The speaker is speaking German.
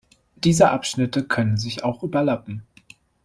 Diese Abschnitte können sich auch überlappen.